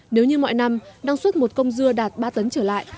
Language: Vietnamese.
nếu như mọi năm năng suất một công dưa đạt ba tấn trở lại